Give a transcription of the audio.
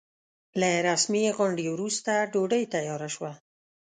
له رسمي غونډې وروسته ډوډۍ تياره شوه.